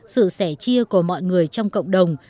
sự sẻ chia của mọi người trong cộng đồng